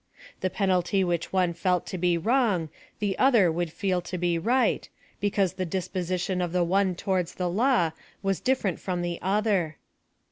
The penalty which one felt to be wrong the other would feel to be right, because the disposition of the one towards the law was different from the other.